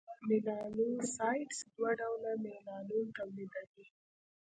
میلانوسایټس دوه ډوله میلانون تولیدوي: